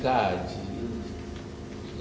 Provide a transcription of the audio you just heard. kan lagi dikaji